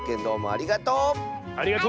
ありがとう！